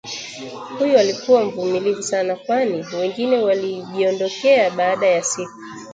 huyu alikuwa mvumilivu sana kwani wengine walijiondokea baada ya siku